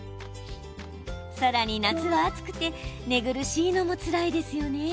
さらに、夏は暑くて寝苦しいのもつらいですよね。